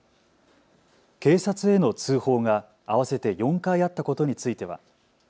警察への通報が合わせて４回あったことについては。